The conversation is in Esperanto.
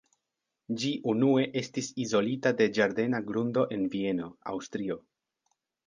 Ĝi unue estis izolita de ĝardena grundo en Vieno, Aŭstrio.